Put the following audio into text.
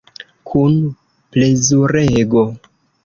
Kun plezurego.